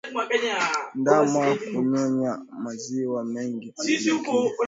Ndama kunyonya maziwa mengi kupindukia